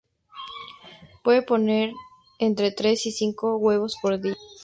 Puede poner entre tres y cinco huevos por día.